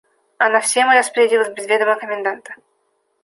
Она всем и распорядилась без ведома коменданта.